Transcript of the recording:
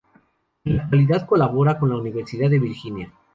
En la actualidad, colabora con la Universidad de Virginia.